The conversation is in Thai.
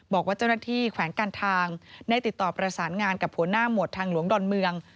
บอกว่าเจ้าหน้าที่แขวงการทางได้ติดต่อประสานงานกับหัวหน้าหมวดทางหลวงดอนเมือง